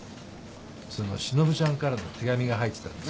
そのシノブちゃんからの手紙が入ってたんですよ。